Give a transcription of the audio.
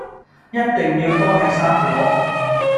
一定要多吃生菓